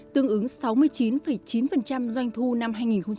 tương ứng sáu mươi chín chín doanh thu năm hai nghìn một mươi chín